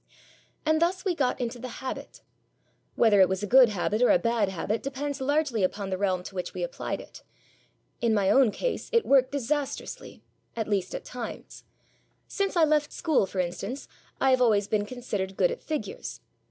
And thus we got into the habit. Whether it was a good habit or a bad habit depends largely upon the realm to which we applied it. In my own case, it worked disastrously at least at times. Since I left school, for instance, I have always been considered good at figures.